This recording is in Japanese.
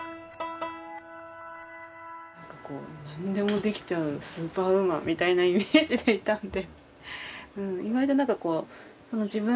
なんかこうなんでもできちゃうスーパーウーマンみたいなイメージでいたので。